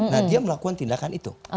nah dia melakukan tindakan itu